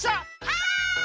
はい！